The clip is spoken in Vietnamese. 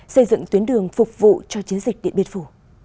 xây dựng tuyến đường phục vụ cho chiến dịch điện biên phủ